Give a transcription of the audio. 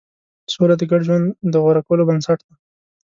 سوله د ګډ ژوند د غوره کولو بنسټ دی.